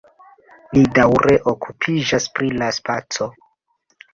Li daŭre okupiĝas pri la spaco.